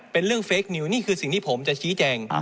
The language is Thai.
เป็นเรื่องเฟคนิวนี่คือสิ่งที่ผมจะชี้แจง